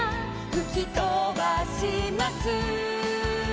「ふきとばします」